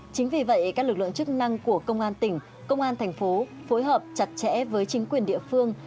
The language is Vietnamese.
chính vì vậy các lực lượng chức năng của công an tỉnh công an thành phố phối hợp chặt chẽ với chính quyền địa phương